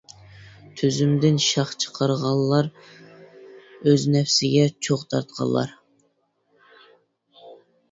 تۈزۈمدىن شاخ چىقارغانلار، ئۆز نەپسىگە چوغ تارتقانلار.